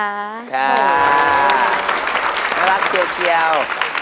น่ารักเชียว